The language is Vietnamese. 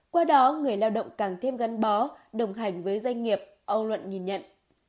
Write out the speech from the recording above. qua đó người lao động càng thêm gắn bó đồng hành với doanh nghiệp âu luận nhìn nhận